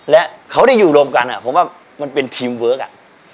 และเขาได้อยู่รวมกันผมว่ามันเป็นทีมเวิร์คอ่ะ